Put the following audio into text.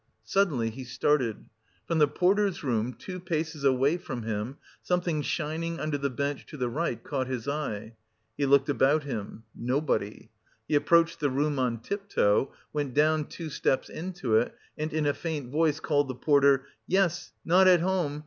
Suddenly he started. From the porter's room, two paces away from him, something shining under the bench to the right caught his eye.... He looked about him nobody. He approached the room on tiptoe, went down two steps into it and in a faint voice called the porter. "Yes, not at home!